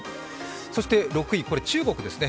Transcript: そして６位、中国ですね。